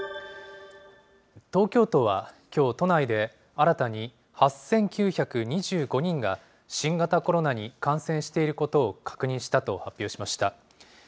東京都はきょう、都内で新たに８９２５人が、新型コロナに感染していることを確認したと発表しました。